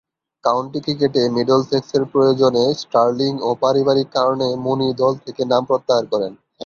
County ক্রিকেটে মিডলসেক্সের প্রয়োজনে স্টার্লিং ও পারিবারিক কারণে মুনি দল থেকে নাম প্রত্যাহার করেন।